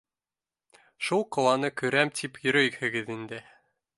Шул ҡаланы күрәм тип йөрөйһөгөҙ инде.